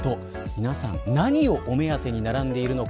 皆さん、何を目当てに並んでいるのか。